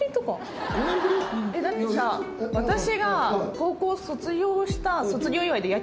だってさ私が高校卒業した。